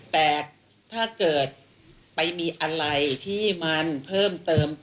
แต่ถ้าเกิดไปมีอะไรที่มันเพิ่มเติม